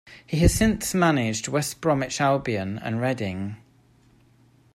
He has since managed West Bromwich Albion and Reading.